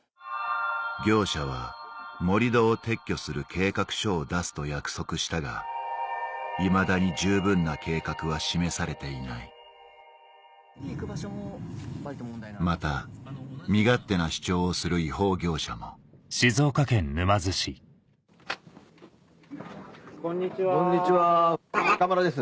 業者は盛り土を撤去する計画書を出すと約束したがいまだに十分な計画は示されていないまた身勝手な主張をする違法業者もこんにちは中村です。